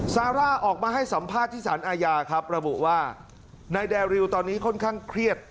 ซาร่าออกมาให้สัมภาษณ์ที่สารอาญาครับระบุว่านายแดริวตอนนี้ค่อนข้างเครียด